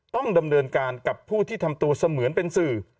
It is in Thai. ต้องดำเนินการกับผู้ที่ทำตัวเสมือนเป็นสื่อ